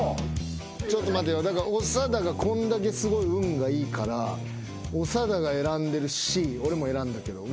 ちょっと待てよ長田がこんだけすごい運がいいから長田が選んでるＣ俺も選んだけど。